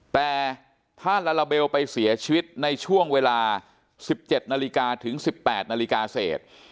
แต่ถ้าลาลาเบลไปเสียชีวิตในช่วงเวลา๑๗นถึง๑๘นเศษ